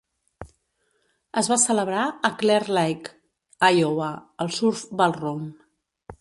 Es va celebrar a Clear Lake, Iowa, al Surf Ballroom.